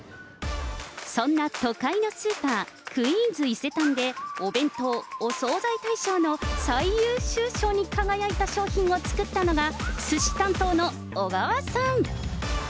そんな都会のスーパー、クイーンズ伊勢丹で、お弁当・お惣菜大賞の最優秀賞に輝いた商品を作ったのが、すし担当の小川さん。